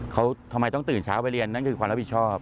เขาทำไมต้องตื่นเช้าไปเรียนนั่นคือความรับผิดชอบ